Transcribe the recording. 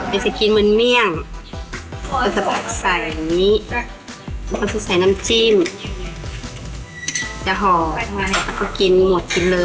ไอซิกินเหมือนเมี่ยงมันจะใส่อย่างนี้มันจะใส่น้ำจิ้มจะห่อกินหมดกินเลย